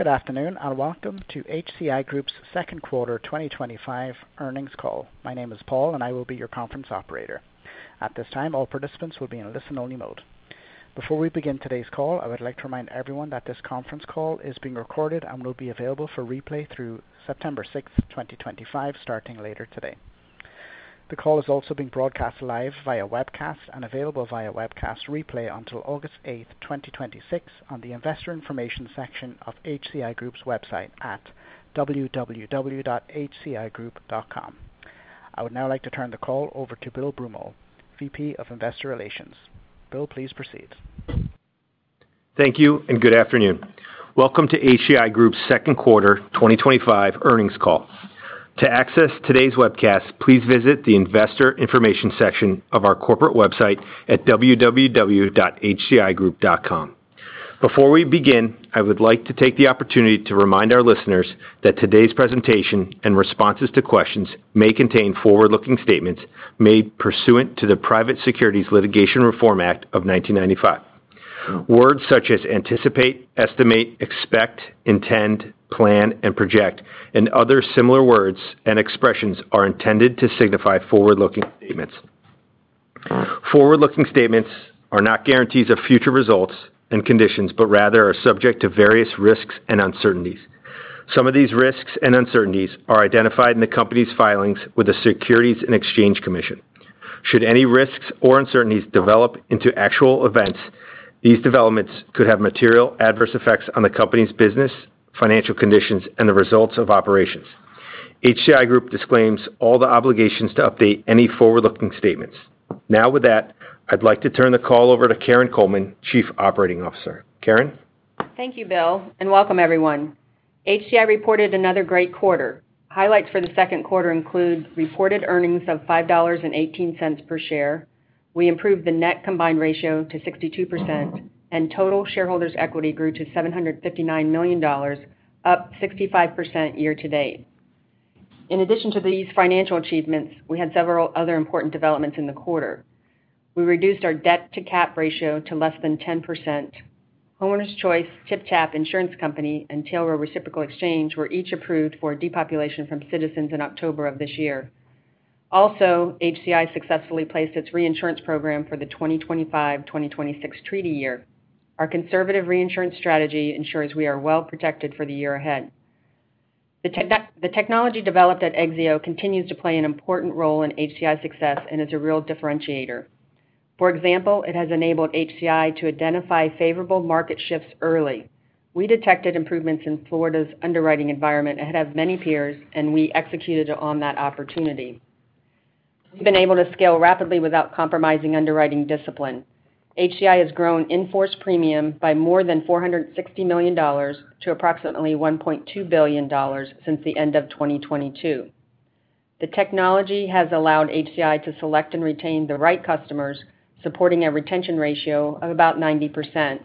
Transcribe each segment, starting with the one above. Good afternoon and welcome to HCI Group's Second Quarter 2025 Earnings Call. My name is Paul, and I will be your conference operator. At this time, all participants will be in listen-only mode. Before we begin today's call, I would like to remind everyone that this conference call is being recorded and will be available for replay through September 6th, 2025, starting later today. The call is also being broadcast live via webcast and available via webcast replay until August 8th, 2026, on the Investor Information section of HCI Group's website at www.hcigroup.com. I would now like to turn the call over to Bill Broomall, VP of Investor Relations. Bill, please proceed. Thank you and good afternoon. Welcome to HCI Group's Second Quarter 2025 Earnings Call. To access today's webcast, please visit the Investor Information section of our corporate website at www.hcigroup.com. Before we begin, I would like to take the opportunity to remind our listeners that today's presentation and responses to questions may contain forward-looking statements made pursuant to the Private Securities Litigation Reform Act of 1995. Words such as anticipate, estimate, expect, intend, plan, and project, and other similar words and expressions are intended to signify forward-looking statements. Forward-looking statements are not guarantees of future results and conditions, but rather are subject to various risks and uncertainties. Some of these risks and uncertainties are identified in the company's filings with the Securities and Exchange Commission. Should any risks or uncertainties develop into actual events, these developments could have material adverse effects on the company's business, financial conditions, and the results of operations. HCI Group disclaims all the obligations to update any forward-looking statements. Now, with that, I'd like to turn the call over to Karin Coleman, Chief Operating Officer. Karin? Thank you, Bill, and welcome everyone. HCI reported another great quarter. Highlights for the second quarter include reported earnings of $5.18 per share. We improved the net combined ratio to 62%, and total shareholders' equity grew to $759 million, up 65% year to date. In addition to these financial achievements, we had several other important developments in the quarter. We reduced our debt-to-cap ratio to less than 10%. Homeowners Choice, TypTap Insurance Company, and Tailrow Reciprocal Exchange were each approved for depopulation from Citizens in October of this year. Also, HCI successfully placed its reinsurance program for the 2025-2026 treaty year. Our conservative reinsurance strategy ensures we are well protected for the year ahead. The technology developed at Exzeo continues to play an important role in HCI's success and is a real differentiator. For example, it has enabled HCI to identify favorable market shifts early. We detected improvements in Florida's underwriting environment ahead of many peers, and we executed on that opportunity. We've been able to scale rapidly without compromising underwriting discipline. HCI has grown inforce premium by more than $460 million to approximately $1.2 billion since the end of 2022. The technology has allowed HCI to select and retain the right customers, supporting a retention ratio of about 90%,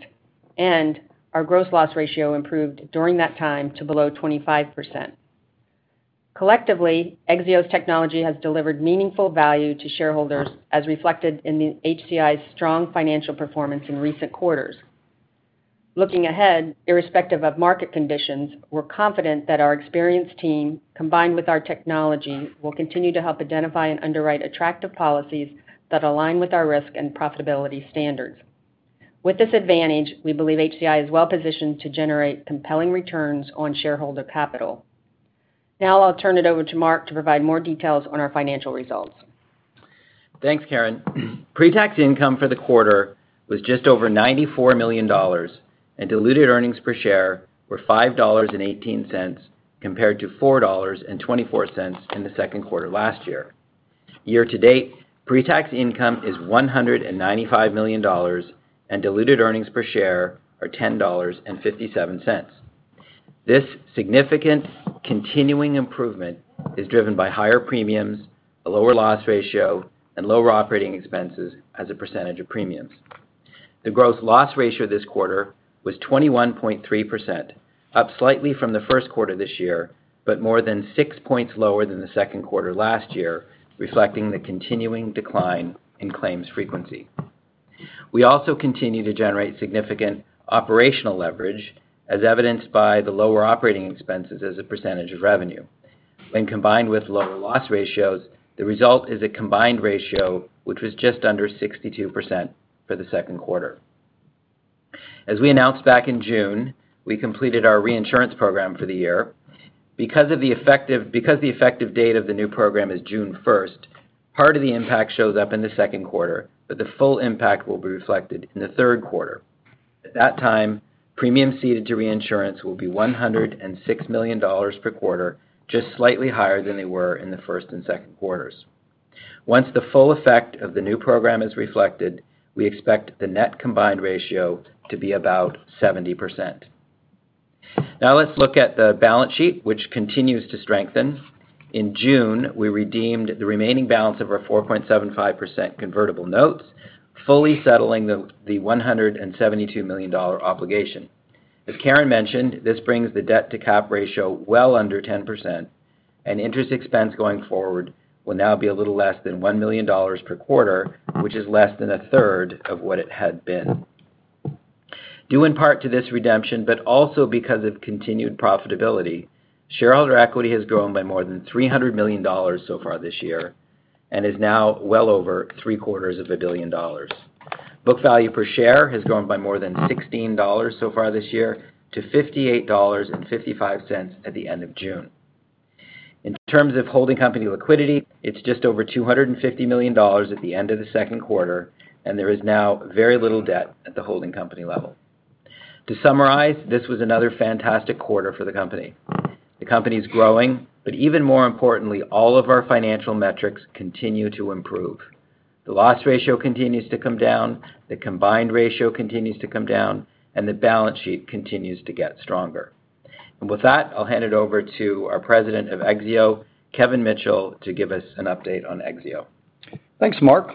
and our gross loss ratio improved during that time to below 25%. Collectively, Exzeo's technology has delivered meaningful value to shareholders, as reflected in HCI's strong financial performance in recent quarters. Looking ahead, irrespective of market conditions, we're confident that our experienced team, combined with our technology, will continue to help identify and underwrite attractive policies that align with our risk and profitability standards. With this advantage, we believe HCI is well positioned to generate compelling returns on shareholder capital. Now, I'll turn it over to Mark to provide more details on our financial results. Thanks, Karin. Pre-tax income for the quarter was just over $94 million, and diluted earnings per share were $5.18 compared to $4.24 in the second quarter last year. Year to date, pre-tax income is $195 million, and diluted earnings per share are $10.57. This significant continuing improvement is driven by higher premiums, a lower loss ratio, and lower operating expenses as a percentage of premiums. The gross loss ratio this quarter was 21.3%, up slightly from the first quarter this year, but more than six points lower than the second quarter last year, reflecting the continuing decline in claims frequency. We also continue to generate significant operational leverage, as evidenced by the lower operating expenses as a percentage of revenue. When combined with lower loss ratios, the result is a combined ratio which was just under 62% for the second quarter. As we announced back in June, we completed our reinsurance program for the year. Because the effective date of the new program is June 1st, part of the impact shows up in the second quarter, but the full impact will be reflected in the third quarter. At that time, premiums ceded to reinsurance will be $106 million per quarter, just slightly higher than they were in the first and second quarters. Once the full effect of the new program is reflected, we expect the net combined ratio to be about 70%. Now let's look at the balance sheet, which continues to strengthen. In June, we redeemed the remaining balance of our 4.75% convertible notes, fully settling the $172 million obligation. As Karin mentioned, this brings the debt-to-cap ratio well under 10%, and interest expense going forward will now be a little less than $1 million per quarter, which is less than a third of what it had been. Due in part to this redemption, but also because of continued profitability, shareholders' equity has grown by more than $300 million so far this year and is now well over three quarters of a billion dollars. Book value per share has grown by more than $16 so far this year to $58.55 at the end of June. In terms of holding company liquidity, it's just over $250 million at the end of the second quarter, and there is now very little debt at the holding company level. To summarize, this was another fantastic quarter for the company. The company is growing, but even more importantly, all of our financial metrics continue to improve. The loss ratio continues to come down, the combined ratio continues to come down, and the balance sheet continues to get stronger. With that, I'll hand it over to our President of Exzeo, Kevin Mitchell, to give us an update on Exzeo. Thanks, Mark.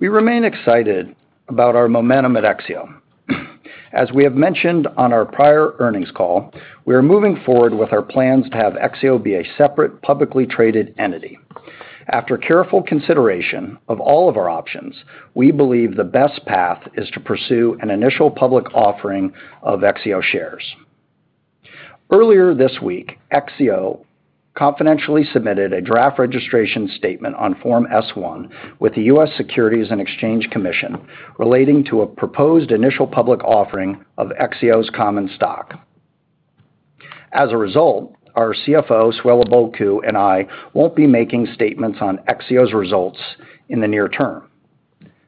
We remain excited about our momentum at Exzeo. As we have mentioned on our prior earnings call, we are moving forward with our plans to have Exzeo be a separate publicly traded entity. After careful consideration of all of our options, we believe the best path is to pursue an initial public offering of Exzeo shares. Earlier this week, Exzeo confidentially submitted a draft registration statement on Form S-1 with the U.S. Securities and Exchange Commission relating to a proposed initial public offering of Exzeo's common stock. As a result, our CFO, Suela Bulku, and I won't be making statements on Exzeo's results in the near term.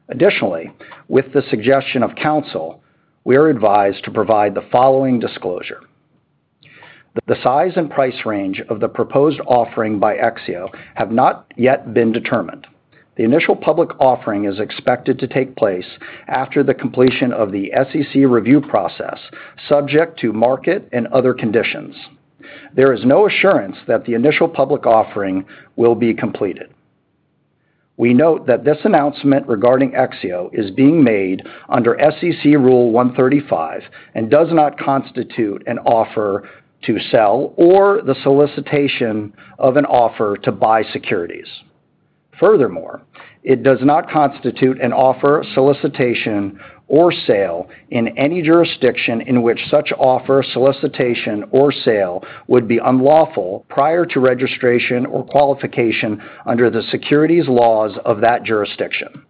Additionally, with the suggestion of counsel, we are advised to provide the following disclosure. The size and price range of the proposed offering by Exzeo have not yet been determined. The initial public offering is expected to take place after the completion of the SEC review process subject to market and other conditions. There is no assurance that the initial public offering will be completed. We note that this announcement regarding Exzeo is being made under SEC Rule 135 and does not constitute an offer to sell or the solicitation of an offer to buy securities. Furthermore, it does not constitute an offer, solicitation, or sale in any jurisdiction in which such offer, solicitation, or sale would be unlawful prior to registration or qualification under the securities laws of that jurisdiction.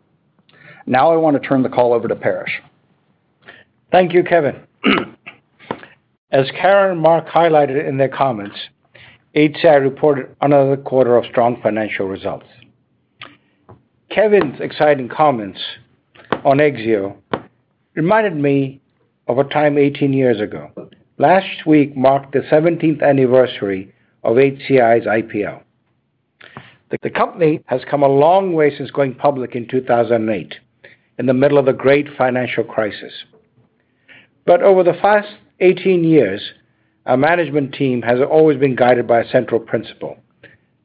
Now I want to turn the call over to Paresh. Thank you, Kevin. As Karin and Mark highlighted in their comments, HCI reported another quarter of strong financial results. Kevin's exciting comments on Exzeo reminded me of a time 18 years ago. Last week marked the 17th anniversary of HCI's IPO. The company has come a long way since going public in 2008, in the middle of a great financial crisis. Over the past 18 years, our management team has always been guided by a central principle: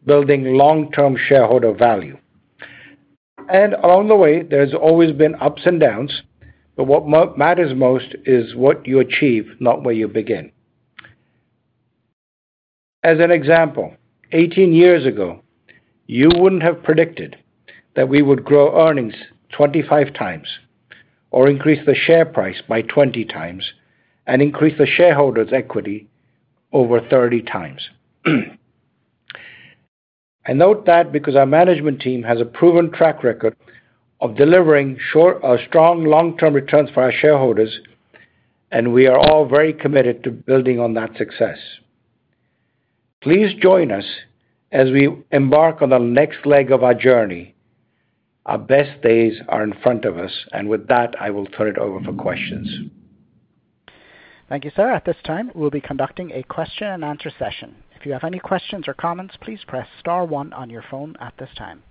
building long-term shareholder value. Along the way, there's always been ups and downs, but what matters most is what you achieve, not where you begin. As an example, 18 years ago, you wouldn't have predicted that we would grow earnings 25x or increase the share price by 20x and increase the shareholders' equity over 30x. I note that because our management team has a proven track record of delivering strong long-term returns for our shareholders, and we are all very committed to building on that success. Please join us as we embark on the next leg of our journey. Our best days are in front of us, and with that, I will turn it over for questions. Thank you, sir. At this time, we'll be conducting a question and answer session. If you have any questions or comments, please press star one on your phone at this time.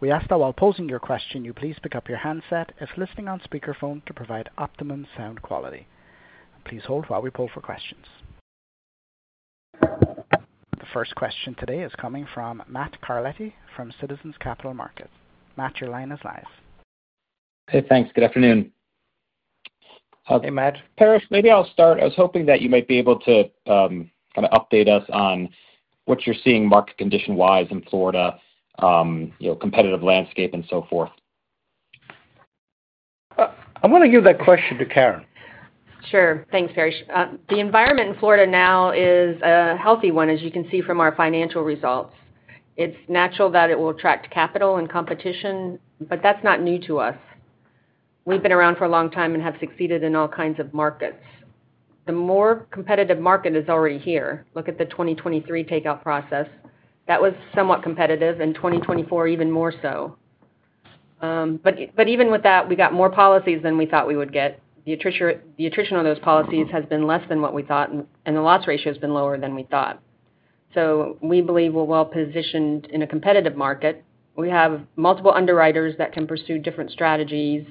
We ask that while posing your question, you please pick up your handset as listening on speakerphone to provide optimum sound quality. Please hold while we pull for questions. The first question today is coming from Matt Carletti from Citizens Capital Markets. Matt, your line is live. Hey, thanks. Good afternoon. Hey, Matt. Paresh, maybe I'll start. I was hoping that you might be able to kind of update us on what you're seeing market condition-wise in Florida, you know, competitive landscape and so forth. I'm going to give that question to Karin. Sure. Thanks, Paresh. The environment in Florida now is a healthy one, as you can see from our financial results. It's natural that it will attract capital and competition, but that's not new to us. We've been around for a long time and have succeeded in all kinds of markets. The more competitive market is already here. Look at the 2023 takeout process. That was somewhat competitive, and 2024 even more so. Even with that, we got more policies than we thought we would get. The attrition on those policies has been less than what we thought, and the loss ratio has been lower than we thought. We believe we're well positioned in a competitive market. We have multiple underwriters that can pursue different strategies.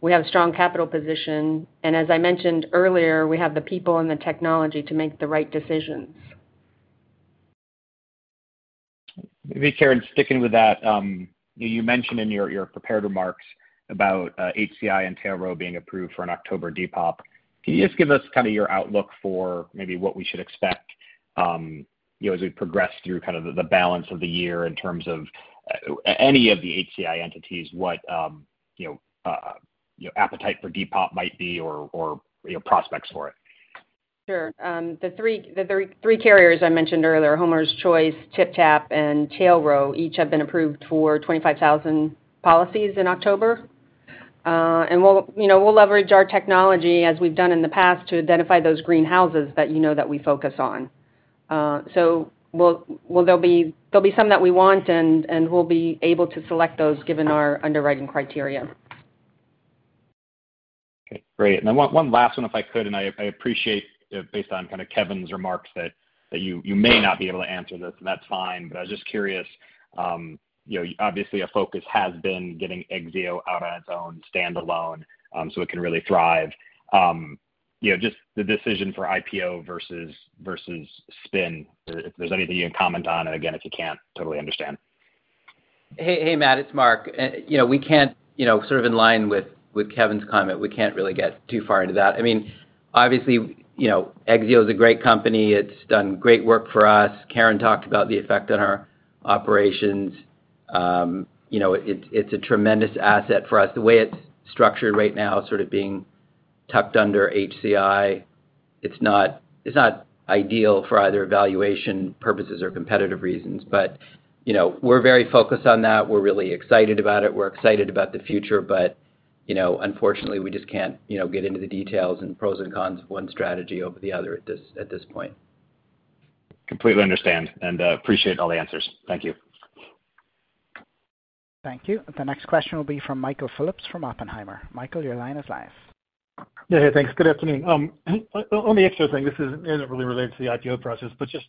We have a strong capital position, and as I mentioned earlier, we have the people and the technology to make the right decisions. Maybe Karin, sticking with that, you mentioned in your prepared remarks about HCI and Tailrow being approved for an October depop. Can you just give us kind of your outlook for maybe what we should expect as we progress through kind of the balance of the year in terms of any of the HCI entities, what appetite for depop might be, or prospects for it? Sure. The three carriers I mentioned earlier, Homeowners Choice, TypTap, and Tailrow, each have been approved for 25,000 policies in October. We'll leverage our technology, as we've done in the past, to identify those green houses that you know that we focus on. There'll be some that we want, and we'll be able to select those given our underwriting criteria. Great. One last one, if I could, and I appreciate based on kind of Kevin's remarks that you may not be able to answer this, and that's fine, but I was just curious. Obviously, a focus has been getting Exzeo out on its own, standalone, so it can really thrive. Just the decision for IPO versus spin, if there's anything you can comment on, and again, if you can't, totally understand. Hey, Matt. It's Mark. In line with Kevin's comment, we can't really get too far into that. I mean, obviously, Exzeo is a great company. It's done great work for us. Karin talked about the effect on our operations. It's a tremendous asset for us. The way it's structured right now, being tucked under HCI, it's not ideal for either evaluation purposes or competitive reasons. We are very focused on that. We're really excited about it. We're excited about the future. Unfortunately, we just can't get into the details and pros and cons of one strategy over the other at this point. Completely understand and appreciate all the answers. Thank you. Thank you. The next question will be from Michael Phillips from Oppenheimer. Michael, your line is live. Yeah, hey, thanks. Good afternoon. On the Exzeo thing, this isn't really related to the IPO process, but just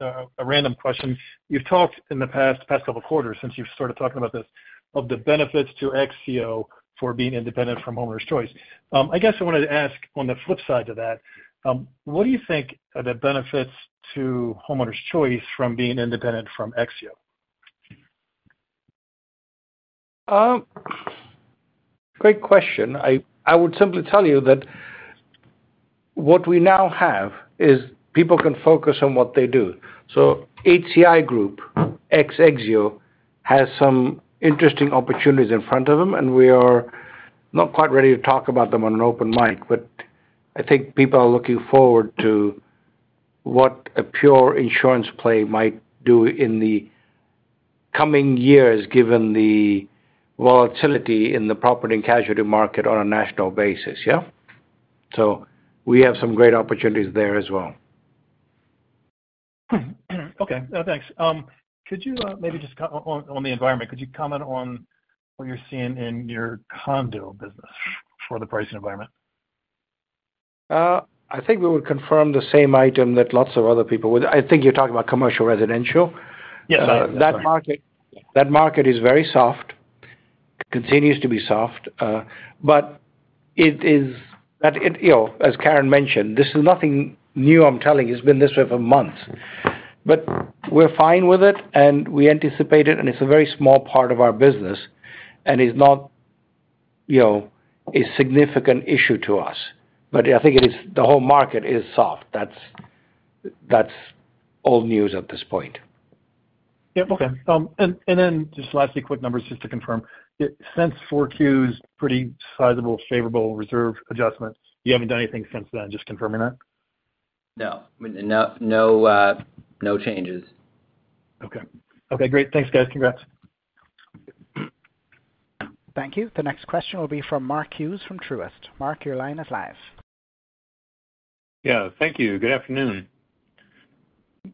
a random question. You've talked in the past couple of quarters, since you've started talking about this, of the benefits to Exzeo for being independent from Homeowners Choice. I guess I wanted to ask on the flip side to that, what do you think are the benefits to Homeowners Choice from being independent from Exzeo? Great question. I would simply tell you that what we now have is people can focus on what they do. So HCI Group, ex-Exzeo, has some interesting opportunities in front of them, and we are not quite ready to talk about them on an open mic, but I think people are looking forward to what a pure insurance play might do in the coming years given the volatility in the property and casualty market on a national basis. We have some great opportunities there as well. Okay. Thanks. Could you maybe just on the environment, could you comment on what you're seeing in your condo business for the pricing environment? I think we would confirm the same item that lots of other people would. I think you're talking about commercial residential. Yes. That market is very soft. It continues to be soft. As Karin mentioned, this is nothing new I'm telling you. It's been this way for months. We're fine with it, we anticipate it, and it's a very small part of our business, it's not a significant issue to us. I think the whole market is soft. That's old news at this point. Okay. Lastly, quick numbers just to confirm. Since 4Q's pretty sizable favorable reserve adjustment, you haven't done anything since then, just confirming that? No, I mean, no changes. Okay. Great. Thanks, guys. Congrats. Thank you. The next question will be from Mark Hughes from Truist. Mark, your line is live. Thank you. Good afternoon.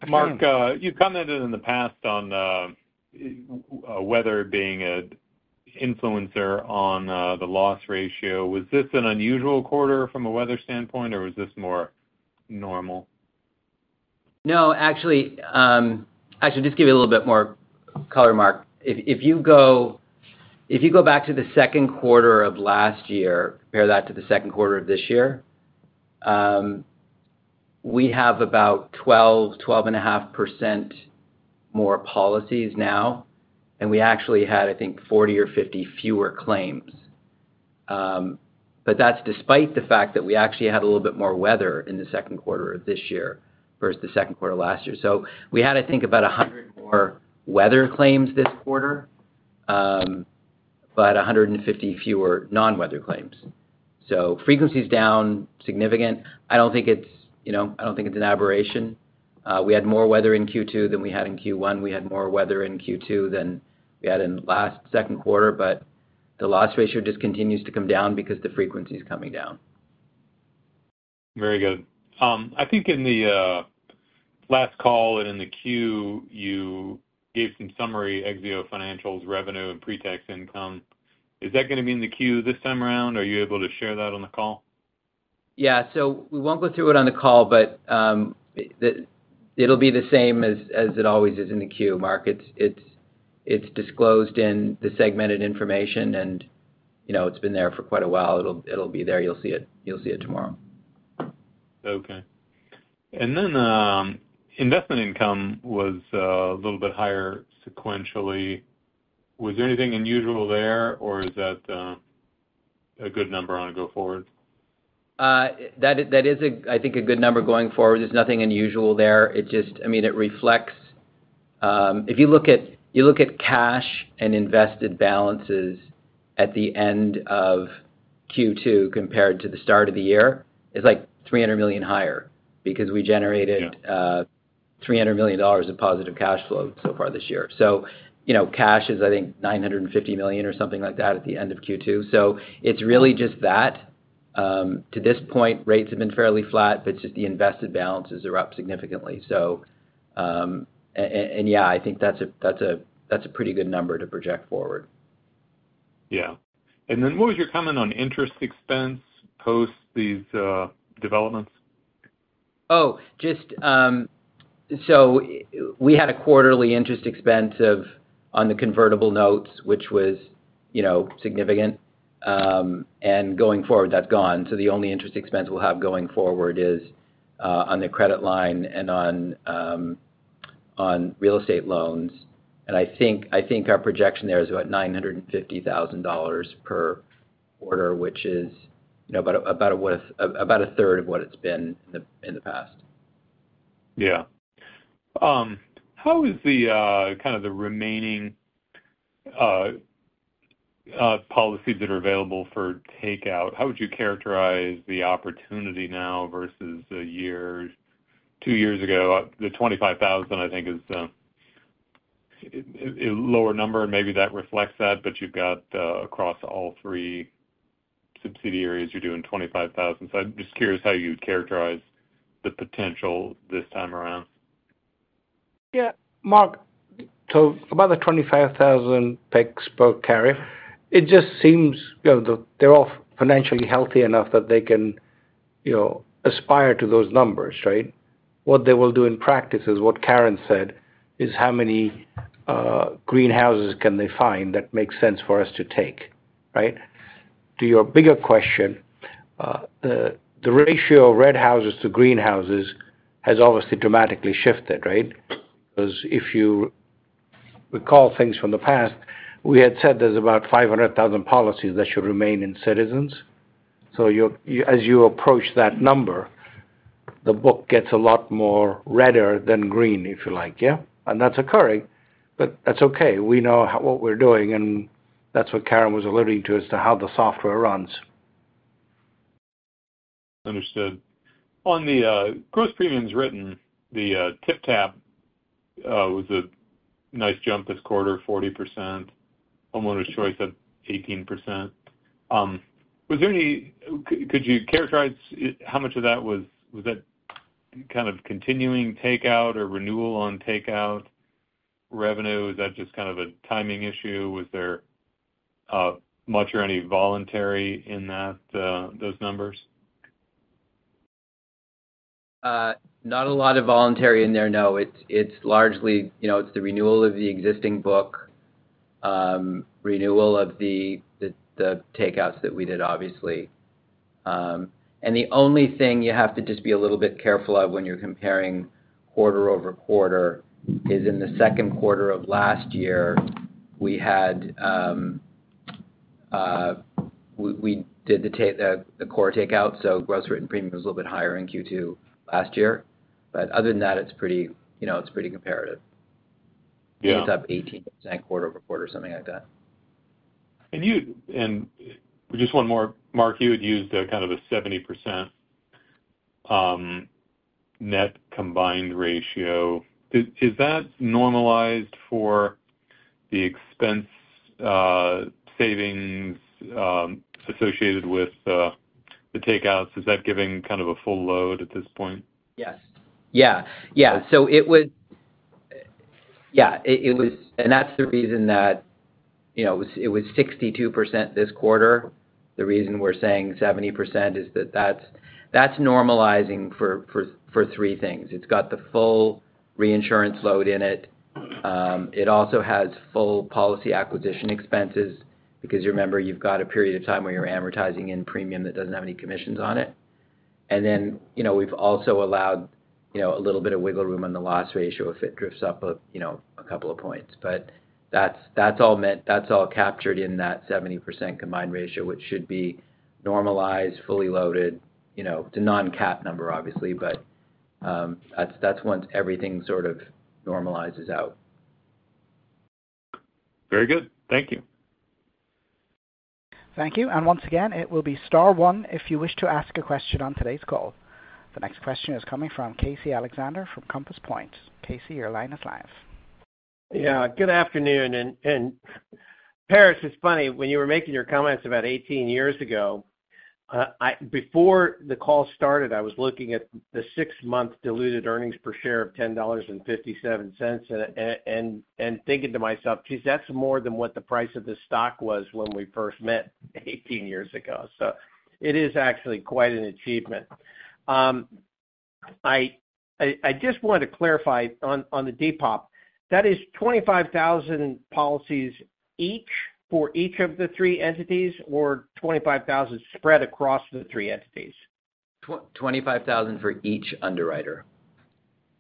Mark, you commented in the past on weather being an influencer on the loss ratio. Was this an unusual quarter from a weather standpoint, or was this more normal? No. Actually, just to give you a little bit more color, Mark. If you go back to the second quarter of last year, compare that to the second quarter of this year, we have about 12.5% more policies now. We actually had, I think, 40 or 50 fewer claims. That's despite the fact that we actually had a little bit more weather in the second quarter of this year versus the second quarter last year. We had, I think, about 100 more weather claims this quarter, but 150 fewer non-weather claims. Frequency is down significantly. I don't think it's, you know, I don't think it's an aberration. We had more weather in Q2 than we had in Q1. We had more weather in Q2 than we had in the last second quarter, but the loss ratio just continues to come down because the frequency is coming down. Very good. I think in the last call and in the Q, you gave some summary, Exzeo financials, revenue, and pretax income. Is that going to be in the Q this time around? Are you able to share that on the call? Yeah. We won't go through it on the call, but it'll be the same as it always is in the Q, Mark. It's disclosed in the segmented information, and you know it's been there for quite a while. It'll be there. You'll see it tomorrow. Okay. Investment income was a little bit higher sequentially. Was there anything unusual there, or is that a good number on a go-forward? That is, I think, a good number going forward. There's nothing unusual there. It just, I mean, it reflects if you look at cash and invested balances at the end of Q2 compared to the start of the year, it's like $300 million higher because we generated $300 million of positive cash flow so far this year. You know cash is, I think, $950 million or something like that at the end of Q2. It's really just that. To this point, rates have been fairly flat, but just the invested balances are up significantly. I think that's a pretty good number to project forward. What was your comment on interest expense post these developments? We had a quarterly interest expense on the convertible notes, which was significant. Going forward, that's gone. The only interest expense we'll have going forward is on the credit line and on real estate loans. I think our projection there is about $950,000 per quarter, which is about a third of what it's been in the past. How is the kind of the remaining policies that are available for takeout? How would you characterize the opportunity now versus a year or two years ago? The 25,000, I think, is a lower number, and maybe that reflects that, but you've got across all three subsidiaries, you're doing 25,000. I'm just curious how you'd characterize the potential this time around. Yeah. Mark, so about the 25,000 pick spoke, Karin. It just seems that they're all financially healthy enough that they can, you know, aspire to those numbers, right? What they will do in practice is what Karin said, is how many greenhouses can they find that makes sense for us to take, right? To your bigger question, the ratio of red houses to greenhouses has obviously dramatically shifted, right? Because if you recall things from the past, we had said there's about 500,000 policies that should remain in Citizens. As you approach that number, the book gets a lot more redder than green, if you like, yeah? That's occurring, but that's okay. We know what we're doing, and that's what Karin was alluding to as to how the software runs. Understood. On the gross premiums written, the TypTap was a nice jump this quarter, 40%. Homeowners Choice at 18%. Was there any, could you characterize how much of that was, was that kind of continuing takeout or renewal on takeout revenue? Was that just kind of a timing issue? Was there much or any voluntary in those numbers? Not a lot of voluntary in there, no. It's largely, you know, it's the renewal of the existing book, renewal of the takeouts that we did, obviously. The only thing you have to just be a little bit careful of when you're comparing quarter-over-quarter is in the second quarter of last year, we did the core takeout. Gross written premium was a little bit higher in Q2 last year. Other than that, it's pretty, you know, it's pretty comparative. Yeah, it's up 18% quarter-over-quarter, something like that. Just one more, Mark, you would use the kind of a 70% net combined ratio. Is that normalized for the expense savings associated with the takeouts? Is that giving kind of a full load at this point? Yes. Yeah. Yeah. It was, and that's the reason that, you know, it was 62% this quarter. The reason we're saying 70% is that that's normalizing for three things. It's got the full reinsurance load in it. It also has full policy acquisition expenses because you remember you've got a period of time where you're amortizing in premium that doesn't have any commissions on it. We've also allowed, you know, a little bit of wiggle room on the loss ratio if it drifts up a, you know, a couple of points. That's all meant, that's all captured in that 70% combined ratio, which should be normalized, fully loaded, you know, to non-cap number, obviously, but that's once everything sort of normalizes out. Very good. Thank you. Thank you. Once again, it will be star one if you wish to ask a question on today's call. The next question is coming from Casey Alexander from Compass Point. Casey, your line is live. Good afternoon. Paresh, it's funny, when you were making your comments about 18 years ago, before the call started, I was looking at the six-month diluted earnings per share of $10.57 and thinking to myself, geez, that's more than what the price of the stock was when we first met 18 years ago. It is actually quite an achievement. I just wanted to clarify on the depop, that is 25,000 policies each for each of the three entities or 25,000 spread across the three entities? 25,000 for each underwriter.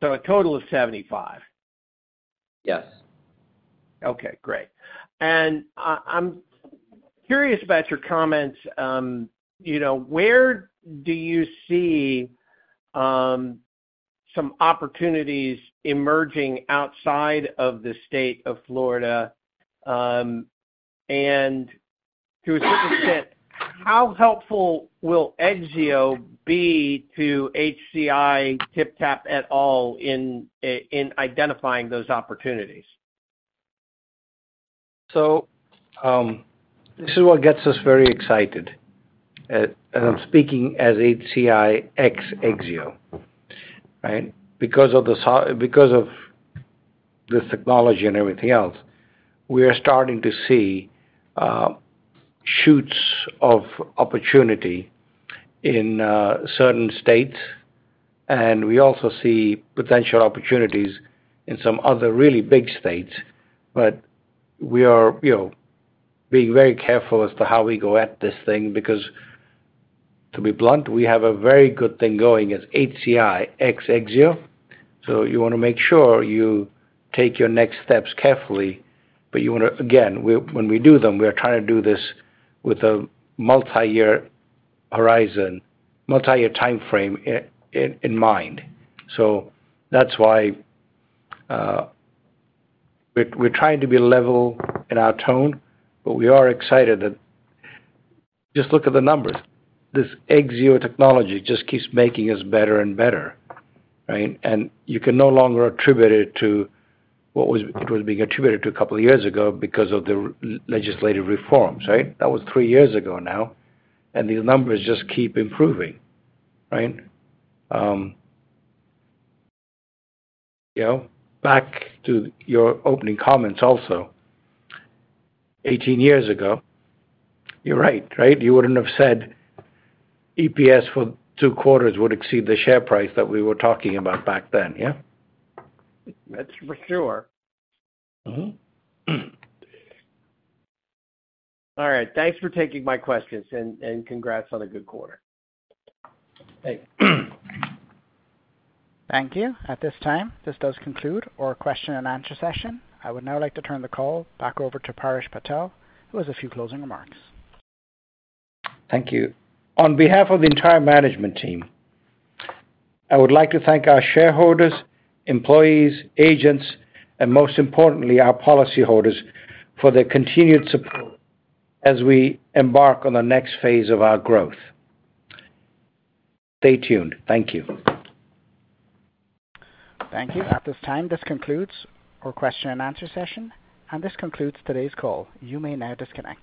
A total of 75,000. Yes. Okay. Great. I'm curious about your comments. Where do you see some opportunities emerging outside of the state of Florida? To a certain extent, how helpful will Exzeo be to HCI or TypTap at all in identifying those opportunities? This is what gets us very excited. I'm speaking as HCI ex-Exzeo, right? Because of this technology and everything else, we are starting to see shoots of opportunity in certain states. We also see potential opportunities in some other really big states. We are being very careful as to how we go at this thing because, to be blunt, we have a very good thing going as HCI ex-Exzeo. You want to make sure you take your next steps carefully. When we do them, we are trying to do this with a multi-year horizon, multi-year timeframe in mind. That's why we're trying to be level in our tone, but we are excited. Just look at the numbers. This Exzeo technology just keeps making us better and better, right? You can no longer attribute it to what was being attributed to a couple of years ago because of the legislative reforms, right? That was three years ago now. These numbers just keep improving, right? Back to your opening comments also, 18 years ago, you're right, right? You wouldn't have said EPS for two quarters would exceed the share price that we were talking about back then, yeah? That's for sure. All right. Thanks for taking my questions, and congrats on a good quarter. Thank you. Thank you. At this time, this does conclude our question and answer session. I would now like to turn the call back over to Paresh Patel, who has a few closing remarks. Thank you. On behalf of the entire management team, I would like to thank our shareholders, employees, agents, and most importantly, our policyholders for their continued support as we embark on the next phase of our growth. Stay tuned. Thank you. Thank you. At this time, this concludes our question and answer session, and this concludes today's call. You may now disconnect.